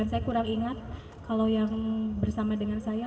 saya kurang ingat kalau yang bersama dengan saya